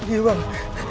kapan ta juga